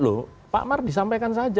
loh pak mar disampaikan saja